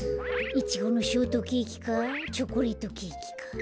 イチゴのショートケーキかチョコレートケーキか。